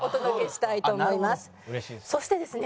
そしてですね